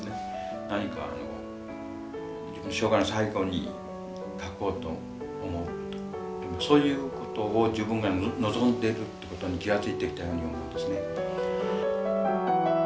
何かあの自分の生涯の最後に書こうと思うとそういうことを自分が望んでるってことに気が付いてきたように思うんですね。